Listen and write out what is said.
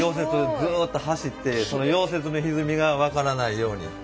ずっと走ってその溶接のひずみが分からないように。